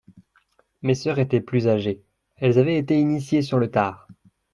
Mes sœurs étaient plus âgées. Elles avaient été initiées sur le tard